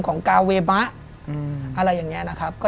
ครับ